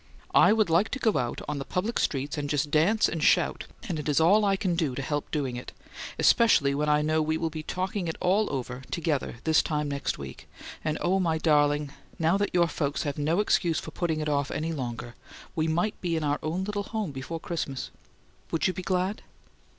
I would like to go out on the public streets and just dance and shout and it is all I can do to help doing it, especially when I know we will be talking it all over together this time next week, and oh my darling, now that your folks have no excuse for putting it off any longer we might be in our own little home before Xmas. Would you be glad?